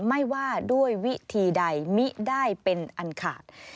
ไม่ว่าด้วยวิธีใดมิได้เป็นอันขาด